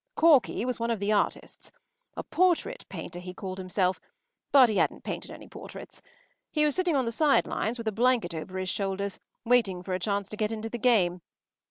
Corky was one of the artists. A portrait painter, he called himself, but he hadn’t painted any portraits. He was sitting on the side lines with a blanket over his shoulders, waiting for a chance to get into the game.